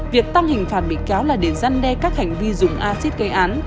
việc tăng hình phạt bị cáo là để dăn đe các hành vi dùng axis gây án